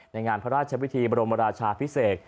ในงานพระราชวิธีบรมราชาพิเศษ